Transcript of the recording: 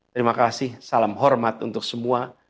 terima kasih salam hormat untuk semua